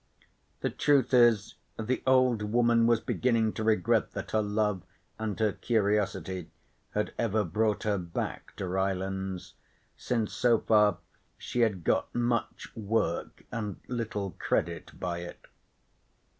The truth is the old woman was beginning to regret that her love and her curiosity had ever brought her back to Rylands, since so far she had got much work and little credit by it.